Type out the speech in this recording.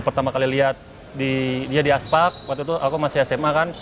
pertama kali lihat dia di aspak waktu itu aku masih sma kan